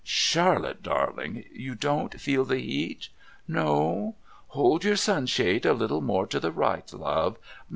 Charlotte darling, you don't feel the heat? No? Hold your sun shade a little more to the right, love.